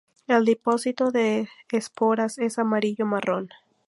El depósito de esporas es amarillo-marrón.